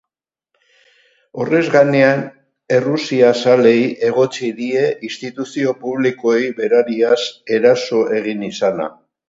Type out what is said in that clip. Horrez gain, errusiazaleei egotzi die instituzio publikoei berariaz eraso egin izana.